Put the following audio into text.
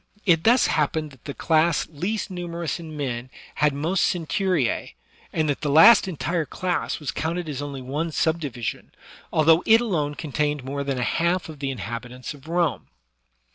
It thus hap pened that the class least numerous in men had most centuries^ and that the last entire class was counted as only one subdivision, although it alone contained more than a half of the inhabitants of Rome.